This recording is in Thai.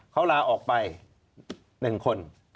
เขาลาออกไป๑คน